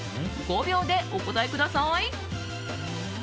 ５秒でお答えください。